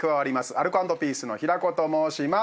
アルコ＆ピースの平子と申します。